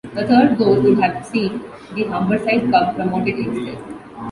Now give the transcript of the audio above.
A third goal would have seen the Humberside club promoted instead.